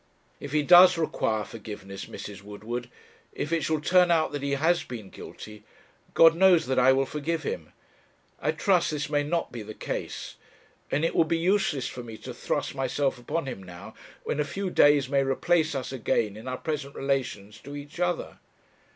'If he does require forgiveness, Mrs. Woodward, if it shall turn out that he has been guilty, God knows that I will forgive him. I trust this may not be the case; and it would be useless for me to thrust myself upon him now, when a few days may replace us again in our present relations to each other.'